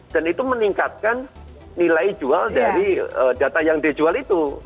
dan itu meningkatkan nilai jual dari data yang dijual itu